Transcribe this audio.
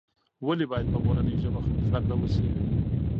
ولې باید په مورنۍ ژبه زده کړه وسي؟